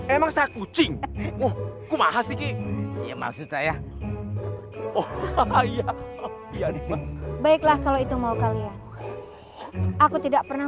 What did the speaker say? emang saya kucing mau kumahas iki ya maksud saya oh iya baiklah kalau itu mau kalian aku tidak pernah